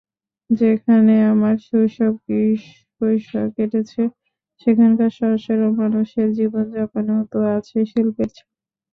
যেখানে আমার শৈশব-কৈশোর কেটেছে, সেখানকার সহজ-সরল মানুষের জীবনযাপনেও তো আছে শিল্পের ছাপ।